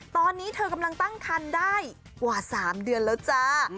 ตอนนี้เธอกำลังตั้งคันได้กว่า๓เดือนแล้วจ้า